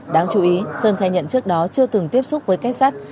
đáng chú ý sơn khai nhận trước đó chưa từng tiếp xúc với kết sát